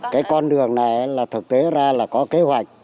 cái con đường này là thực tế ra là có kế hoạch